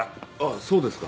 そうですか。